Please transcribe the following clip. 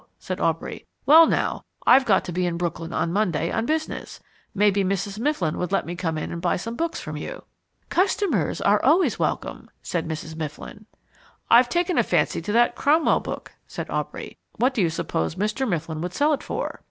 said Aubrey. "Well, now, I've got to be in Brooklyn on Monday, on business. Maybe Mrs. Mifflin would let me come in and buy some books from you." "Customers always welcome," said Mrs. Mifflin. "I've taken a fancy to that Cromwell book," said Aubrey. "What do you suppose Mr. Mifflin would sell it for?"